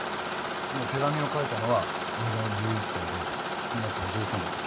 手紙を書いたのは俺が１１歳で実那子が１３のとき。